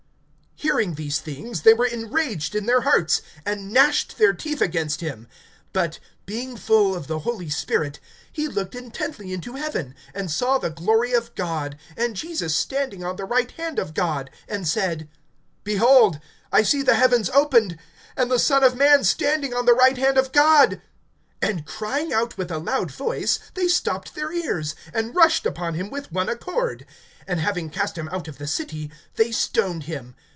(54)Hearing these things, they were enraged in their hearts, and gnashed their teeth against him. (55)But, being full of the Holy Spirit, he looked intently into heaven, and saw the glory of God, and Jesus standing on the right hand of God, and said: (56)Behold, I see the heavens opened, and the Son of man standing on the right hand of God. (57)And crying out with a loud voice, they stopped their ears, and rushed upon him with one accord; (58)and having cast him out of the city, they stoned him.